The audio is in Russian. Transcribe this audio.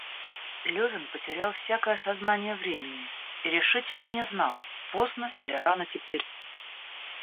Левин потерял всякое сознание времени и решительно не знал, поздно или рано теперь.